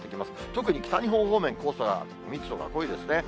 特に北日本方面、黄砂が、密度が濃いですね。